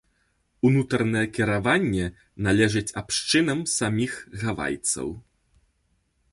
Унутранае кіраванне належыць абшчынам саміх гавайцаў.